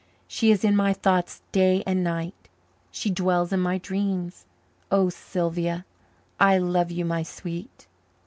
She is in my thoughts day and night, she dwells in my dreams. O, Sylvia, I love you, my sweet!